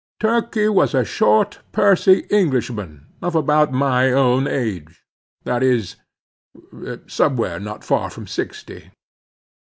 Turkey was a short, pursy Englishman of about my own age, that is, somewhere not far from sixty.